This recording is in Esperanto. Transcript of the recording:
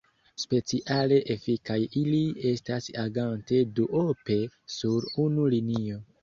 Speciale efikaj ili estas agante duope sur unu linio.